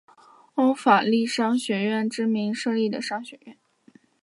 欧法利商学院之名设立的商学院。